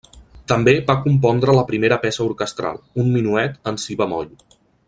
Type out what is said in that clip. També va compondre la primera peça orquestral, un minuet en si bemoll.